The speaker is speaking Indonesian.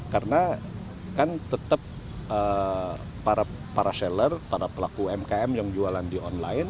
karena tetap para seller para pelaku umkm yang jualan di online